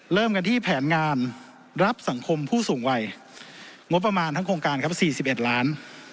เริ่มกันที่แผนงานรับสังคมผู้สูงวัยงบประมาณทั้งโครงการครับ๔๑ล้าน